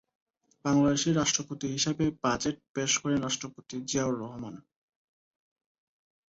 বাংলাদেশের রাষ্ট্রপতি হিসেবে বাজেট পেশ করেন রাষ্ট্রপতি জিয়াউর রহমান।